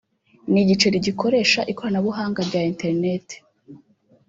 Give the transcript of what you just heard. Ni igiceri gikoresha ikoranabuhanga rya internet